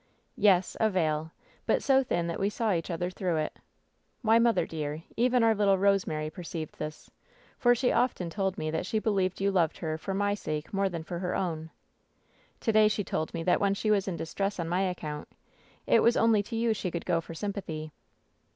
"Yes, a veil; but so thin that we saw each other through it. Why, mother, dear, even our little Kose mary perceived this, for she often told me that she be lieved you loved her for my sake more than for her own. To day she told me that when she was in distress on my account, it was only to you she could go for sympathy.